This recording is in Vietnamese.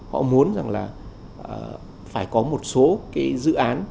họ muốn rằng là phải có một số cái dự án